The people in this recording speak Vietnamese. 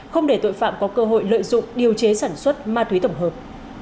không để tội phạm có cơ hội lợi dụng điều chế sản xuất ma túy tổng hợp